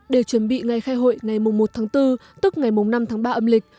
được chuẩn bị ngày khai hội ngày một bốn tức ngày năm ba âm lịch